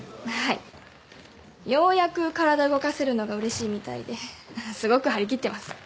ようやく体動かせるのがうれしいみたいですごく張り切ってます。